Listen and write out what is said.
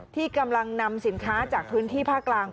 ที่กำลังนำสินค้าจากพื้นที่ภาคกลาง